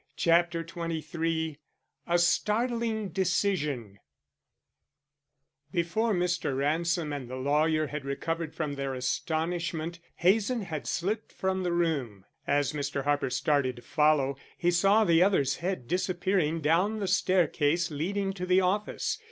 CHAPTER XXIII A STARTLING DECISION Before Mr. Ransom and the lawyer had recovered from their astonishment, Hazen had slipped from the room. As Mr. Harper started to follow, he saw the other's head disappearing down the staircase leading to the office.